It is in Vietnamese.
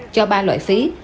cho ba loại phí